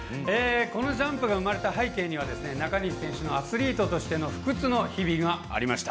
このジャンプが生まれた背景には中西選手のアスリートとしての不屈の日々がありました。